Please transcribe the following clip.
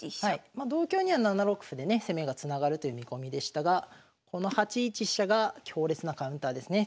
ま同香には７六歩でね攻めがつながるという見込みでしたがこの８一飛車が強烈なカウンターですね。